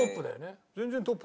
全然トップだよ。